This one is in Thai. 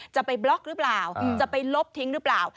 จะไปบล็อกหรือเปล่าจะไปลบทิ้งหรือเปล่า